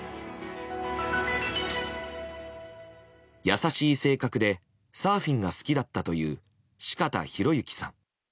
優しい性格で、サーフィンが好きだったという四方洋行さん。